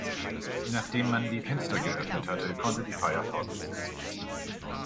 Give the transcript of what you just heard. Nachdem man die Fenster geöffnet hatte, konnte die Feier fortgesetzt werden.